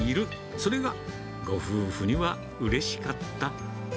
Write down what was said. それがご夫婦にはうれしかった。